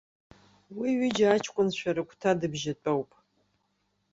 Уи ҩыџьа аҷкәынцәа рыгәҭа дыбжьатәоуп.